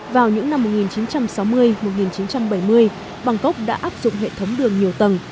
vào những năm một nghìn chín trăm sáu mươi một nghìn chín trăm bảy mươi bangkok đã áp dụng hệ thống đường nhiều tầng